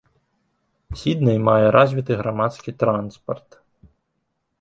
Сідней мае развіты грамадскі транспарт.